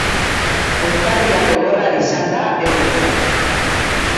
Urtarrila gogorra izan da eurentzat.